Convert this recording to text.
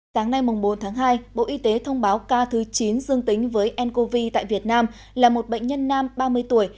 sáng nay bốn tháng hai bộ y tế thông báo ca thứ chín dương tính với ncov tại việt nam là một bệnh nhân nam ba mươi tuổi